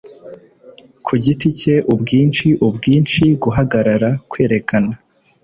kugiti cye, ubwinshi, ubwinshi, guhagarara, kwerekana